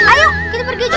ayo kita pergi aja